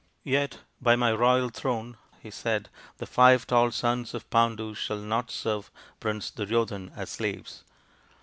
" Yet, by my royal throne," he said, " the five tall sons of Pandu shall not serve Prince Duryodhan as slaves.